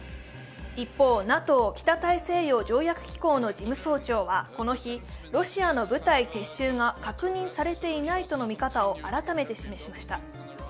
一方、ＮＡＴＯ＝北大西洋条約機構の事務総長はこの日、ロシアの舞台撤収が確認されていないとの見方を改めて示しました。